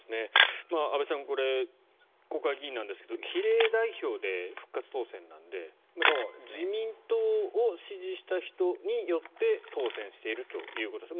安部さん国会議員なんですけど比例代表で復活当選なので自民党を支持した人によって当選しているということです。